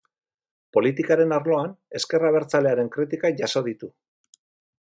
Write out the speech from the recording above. Politikaren arloan, ezker abertzalearen kritikak jaso ditu.